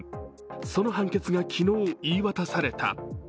その判決が昨日、言い渡された。